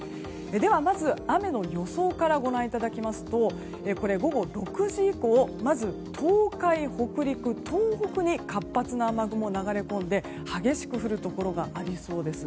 ではまず、雨の予想からご覧いただきますと午後６時以降まず東海、北陸、東北に活発な雨雲が流れ込んで激しく降るところがありそうです。